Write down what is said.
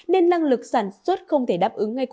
nên năng lực sản xuất không thể đáp ứng ngay